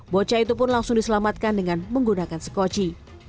bocah itu pun langsung diselamatkan dengan menggunakan sekoci